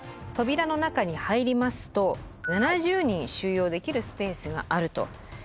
扉の中に入りますと７０人収容できるスペースがあると。